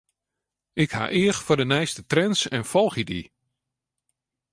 Ik ha each foar de nijste trends en folgje dy.